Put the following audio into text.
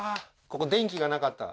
ここ電気が無かった？